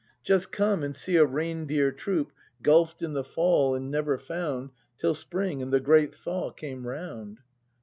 ] Just come and see a reindeer troop Gulf d in the fall, and never found Till spring and the great thaw came round.